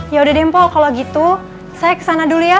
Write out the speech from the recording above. ya udah dempo kalau gitu saya kesana dulu ya